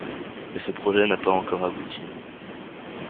Mais ce projet n'a pas encore abouti.